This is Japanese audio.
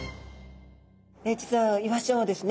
実はイワシちゃんはですね